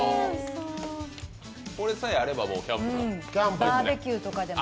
これさえあればキャンプも。